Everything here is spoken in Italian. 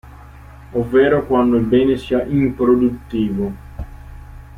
Ovvero quando il bene sia improduttivo.